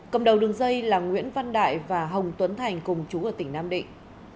cầm đầu đường dây là nguyễn văn đại và hồng tuấn thành cùng chú ở tỉnh nam định